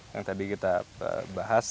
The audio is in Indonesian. yang tadi kita bahas